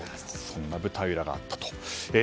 そんな舞台裏があったんですね。